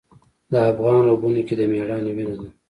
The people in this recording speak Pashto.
د افغان رګونو کې د میړانې وینه ده.